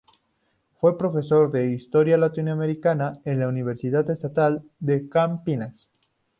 Fue profesor de historia latinoamericana en la Universidad Estatal de Campinas.